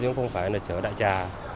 chứ không phải là chở đại trà